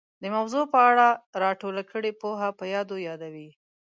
د موضوع په اړه را ټوله کړې پوهه په یادو یادوي